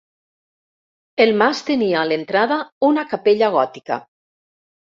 El mas tenia a l’entrada una capella gòtica.